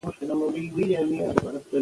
ننګرهار د افغان ځوانانو د هیلو استازیتوب کوي.